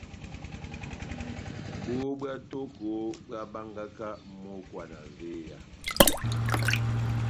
Bohó bwá tóko bohábángaka mókwa na véya.